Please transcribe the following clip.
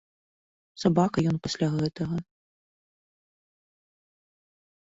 Сабака ён пасля гэтага.